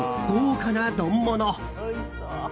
豪華な丼物。